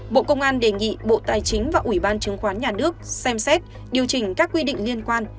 bộ công an đề nghị bộ tài chính và ủy ban chứng khoán nhà nước xem xét điều chỉnh các quy định liên quan